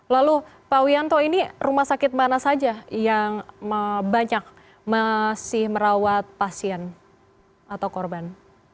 lalu pak wianto ini rumah sakit mana saja yang banyak masih merawat pasien atau korban